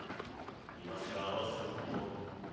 今更会わせると思うか？